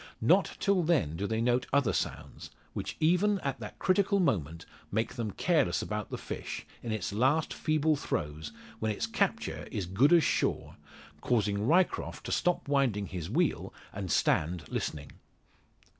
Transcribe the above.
Not till then do they note other sounds, which even at that critical moment make them careless about the fish, in its last feeble throes, when its capture is good as sure, causing Ryecroft to stop winding his wheel, and stand listening.